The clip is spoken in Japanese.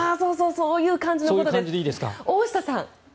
そういう感じのことです大下さん。